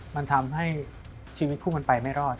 มันทำให้ชีวิตคู่มันไปไม่รอด